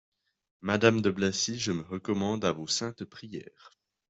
Madame de Blacy, je me recommande à vos saintes prières.